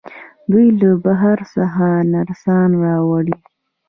دوی له بهر څخه نرسان راوړي.